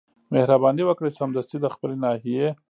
مهرباني وکړئ سمدستي د خپلي ناحيې